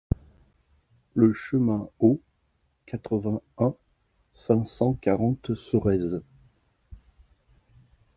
Le Chemin Haut, quatre-vingt-un, cinq cent quarante Sorèze